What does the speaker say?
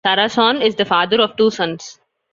Sarasohn is the father of two sons.